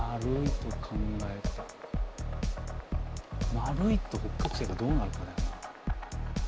丸いと北極星がどうなるかだよな。